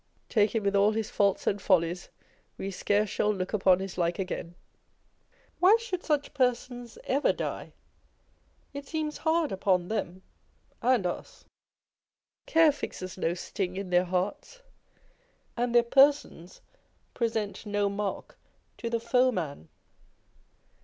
Take him with all his faults and follies, we scarce "shall look upon his like again !" Why should such persons ever die ? It seems hard upon them and us ! Care fixes no sting in their hearts, and their persons " present no mark to the foeman."